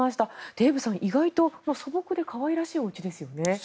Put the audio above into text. デーブさん、意外と素朴で可愛らしいおうちですよね。